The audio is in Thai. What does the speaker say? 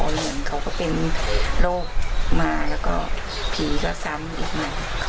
เหมือนเขาก็เป็นโรคมาแล้วก็ผีซ้ำอีกมาก